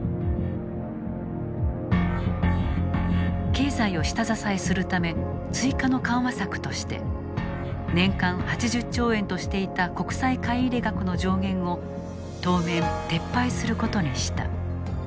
経済を下支えするため追加の緩和策として年間８０兆円としていた国債買い入れ額の上限を当面撤廃することにした。